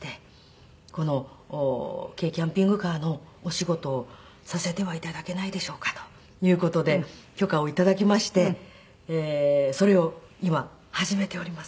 この軽キャンピングカーのお仕事をさせては頂けないでしょうかという事で許可を頂きましてそれを今始めております。